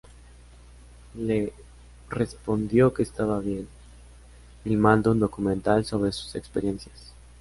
Lee respondió que estaba bien, filmando un documental sobre sus experiencias.